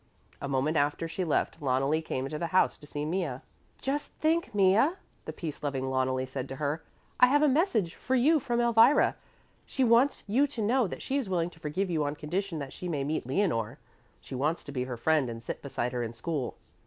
A moment after she left Loneli came into the house to see Mea. "Just think, Mea," the peace loving Loneli said to her, "I have a message for you from Elvira; she wants you to know that she is willing to forgive you on condition that she may meet Leonore. She wants to be her friend and sit beside her in school."